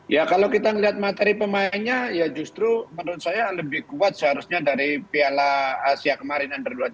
ya kalau kita melihat materi pemainnya ya justru menurut saya lebih kuat seharusnya dari piala asia kemarin under dua tiga